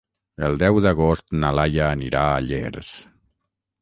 El deu d'agost na Laia anirà a Llers.